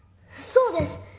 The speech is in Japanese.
そうです！